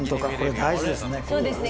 そうですね。